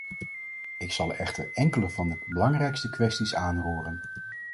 Ik zal echter enkele van de belangrijkste kwesties aanroeren.